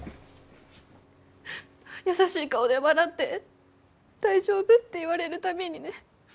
優しい顔で笑って大丈夫って言われる度にね